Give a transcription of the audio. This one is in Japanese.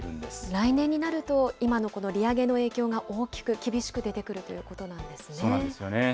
来年になると、今のこの利上げの影響が大きく、厳しく出てくそうなんですよね。